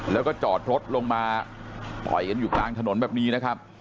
แล้วก็จอดรถลงมาถอยกันอยู่กลางถนนแบบนี้นะครับ